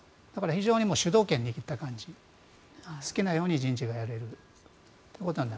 非常に主導権を握った感じ好きなように人事がやれると。